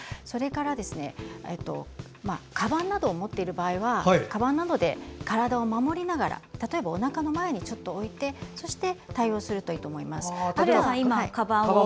それから、かばんなどを持っている場合はかばんなどで体を守りながら例えば、おなかに前にかばんを置いて対応するといいと思います。